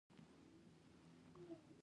زبېښونکي بنسټونه په خپل ځای پاتې شول.